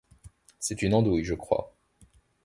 C’est une andouille, je crois…